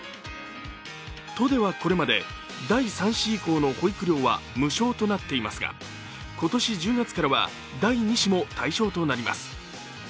都ではこれまで、第３子以降の保育料は無償となっていますが今年１０月からは第２子も対象となります。